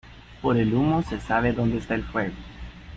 Por el humo se sabe donde está el fuego.